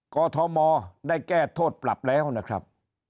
กอทมได้แก้โทษปรับแล้วนะครับ